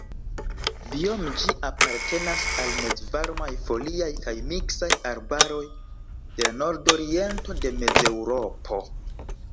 Biome ĝi apartenas al mezvarmaj foliaj kaj miksaj arbaroj de la nordoriento de Mezeŭropo.